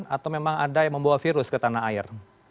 atau memang ada yang membawa virus ke tanah air